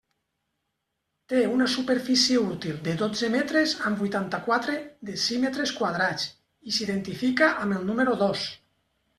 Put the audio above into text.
Té una superfície útil de dotze metres amb vuitanta-quatre decímetres quadrats i s'identifica amb el Número Dos.